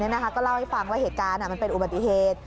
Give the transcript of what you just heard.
ก็เล่าให้ฟังว่าเหตุการณ์มันเป็นอุบัติเหตุ